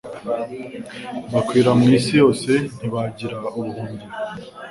Bakwira mu isi yose ntibagira ubuhungiro